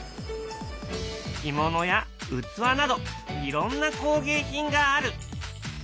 着物や器などいろんな工芸品がある。